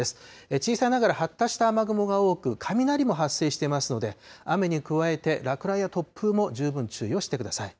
小さいながら発達した雨雲が多く、雷も発生していますので、雨に加えて、落雷や突風も十分注意をしてください。